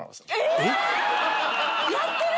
やってる！